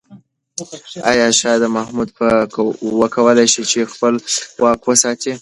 آیا شاه محمود به وکولای شي چې خپل واک وساتي؟